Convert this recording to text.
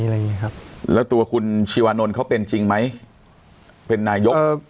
อะไรอย่างเงี้ครับแล้วตัวคุณชีวานนท์เขาเป็นจริงไหมเป็นนายก